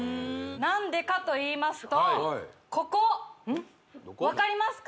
何でかといいますとここ分かりますか？